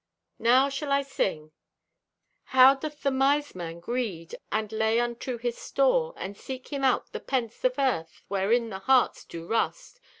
Now shall I to sing: How doth the Mise man greed, And lay unto his store, And seek him out the pence of Earth, Wherein the hearts do rust?